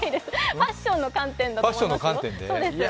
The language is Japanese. ファッションの観点だと思いますよ。